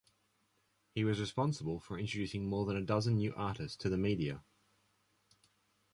He was responsible for introducing more than a dozen new artists to the media.